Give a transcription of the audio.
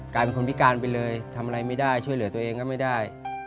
กลายเป็นคนพิการไปเลยทำอะไรไม่ได้ช่วยเหลือตัวเองก็ไม่ได้